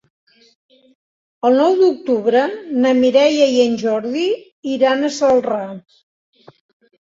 El nou d'octubre na Mireia i en Jordi iran a Celrà.